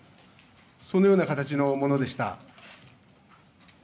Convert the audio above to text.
そのような形のものでした。